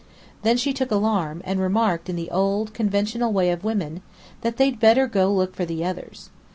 Then she took alarm, and remarked in the old, conventional way of women, that they'd "better go look for the others."